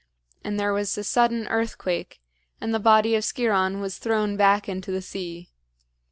and there was a sudden earthquake, and the body of Sciron was thrown back into the sea.